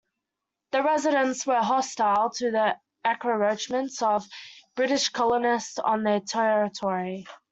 The residents were hostile to the encroachments of British colonists on their territory.